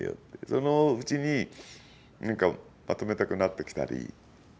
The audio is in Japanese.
そのうちまとめたくなってきたり